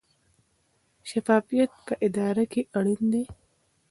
شفافیت په اداره کې اړین دی